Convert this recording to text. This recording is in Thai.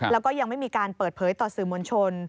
แล้วก็ยังไม่มีการเปิดเผยต่อสื่อมวลชน